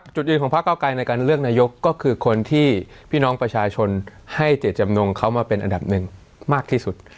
จุดยืนของพระเก้าไกรในการเลือกนายกก็คือคนที่พี่น้องประชาชนให้เจตจำนงเขามาเป็นอันดับหนึ่งมากที่สุด